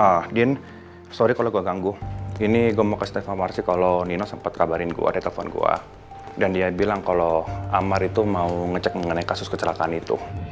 ah dian sorry kalau gue ganggu ini gue mau ke steve amrc kalau nino sempat kabarin gue ada telepon gue dan dia bilang kalau amar itu mau ngecek mengenai kasus kecelakaan itu